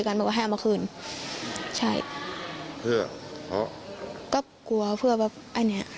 ก็กลัวเพื่อแบบอันนี้